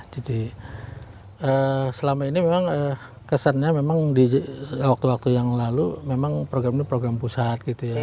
jadi selama ini memang kesannya memang di waktu waktu yang lalu memang program ini program pusat gitu ya